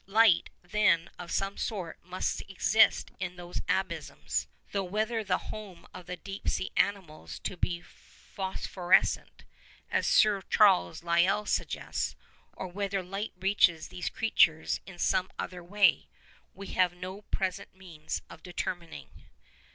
Light, then, of some sort must exist in those abysms, though whether the home of the deep sea animals be phosphorescent, as Sir Charles Lyell suggests, or whether light reaches these creatures in some other way, we have no present means of determining.